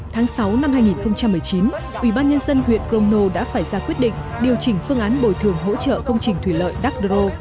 tháng sáu năm hai nghìn một mươi chín ubnd huyện crono đã phải ra quyết định điều chỉnh phương án bồi thường hỗ trợ công trình thủy lợi đắc đô